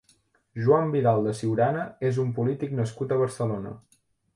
Joan Vidal de Ciurana és un polític nascut a Barcelona.